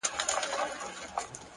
پوهه د شکونو تیاره روښانه کوي!